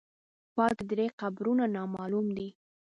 پاتې درې قبرونه نامعلوم دي.